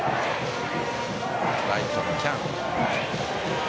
ライトの喜屋武。